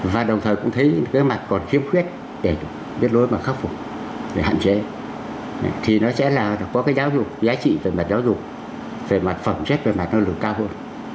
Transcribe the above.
và đồng thời cũng thấy cái mặt còn khiếm khuyết để biết lối mà khắc phục hạn chế thì nó sẽ là có cái giáo dục giá trị về mặt giáo dục về mặt phẩm chất về mặt năng lực cao hơn